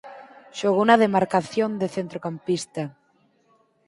Xogou na demarcación de centrocampista.